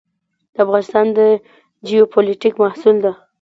د افغانستان د جیوپولیټیک محصول ده.